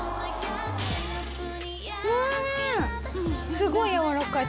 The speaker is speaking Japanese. すごい軟らかい！